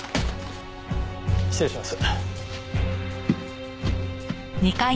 失礼します。